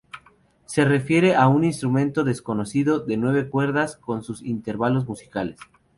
Se refiere a un instrumento desconocido de nueve cuerdas con sus intervalos musicales.